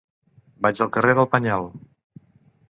Vaig al carrer del Penyal.